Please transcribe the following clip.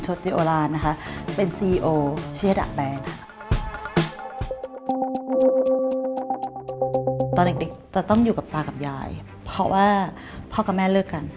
ตอนเด็กจะต้องอยู่กับตากับยายเพราะว่าพ่อกับแม่เลิกกัน